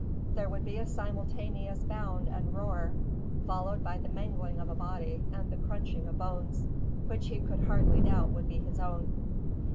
There would be a simultaneous bound and roar, followed by the mangling of a body and the crunching of bones, which he could hardly doubt would be his own.